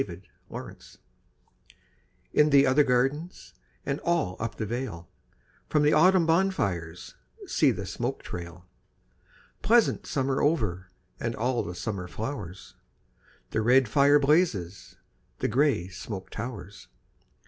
VI Autumn Fires In the other gardens And all up the vale, From the autumn bonfires See the smoke trail! Pleasant summer over And all the summer flowers, The red fire blazes, The grey smoke towers.